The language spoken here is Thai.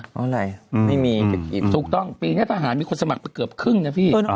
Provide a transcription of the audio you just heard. เพราะอะไรไม่มีจะกินถูกต้องปีนี้ทหารมีคนสมัครไปเกือบครึ่งนะพี่